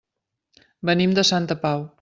Venim de Santa Pau.